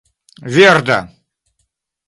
verda